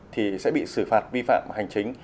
thì sẽ bị xử phạt vi phạm hành chính